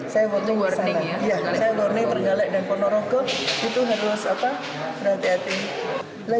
saya murni terenggalak dan pernorogo itu harus berhati hati